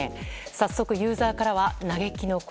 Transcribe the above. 早速、ユーザーからは嘆きの声。